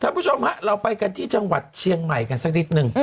ผู้ชมฮะเราไปกันที่จังหวัดเชียงใหม่กันสักนิดนึง